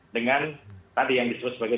dengan tadi yang disebut sebagai